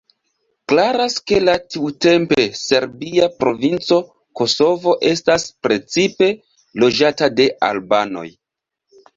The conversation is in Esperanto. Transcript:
Klaras ke la tiutempe serbia provinco Kosovo estas precipe loĝata de albanoj.